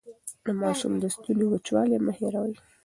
د ماشوم د ستوني وچوالی مه هېروئ.